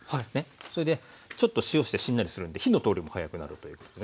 それでちょっと塩してしんなりするんで火の通りも早くなるということでね。